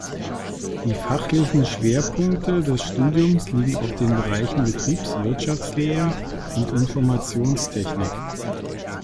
Die fachlichen Schwerpunkte des Studiums liegen auf den Bereichen Betriebswirtschaftslehre und Informationstechnik.